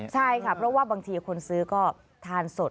ใช่ค่ะเพราะว่าบางทีคนซื้อก็ทานสด